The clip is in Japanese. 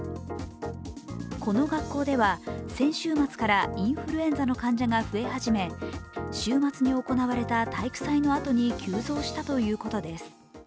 この学校では先週末からインフルエンザの患者が増え始め週末に行われた体育祭のあとに急増したということです。